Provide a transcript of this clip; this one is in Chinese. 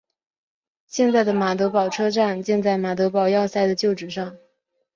现在的马德堡车站建在马德堡要塞的旧址上。